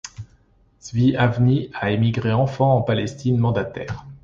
Tzvi Avni a émigré enfant en Palestine mandataire.